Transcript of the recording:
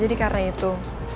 jadi karena itu